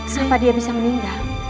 kenapa dia bisa meninggal